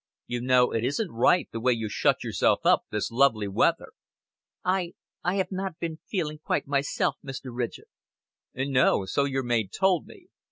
"You know, it isn't right the way you shut yourself up this lovely weather." "I I have not been feeling quite myself, Mr. Ridgett." "No, so your maid told me.